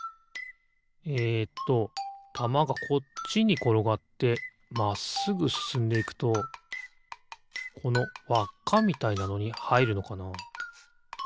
えっとたまがこっちにころがってまっすぐすすんでいくとこのわっかみたいなのにはいるのかな？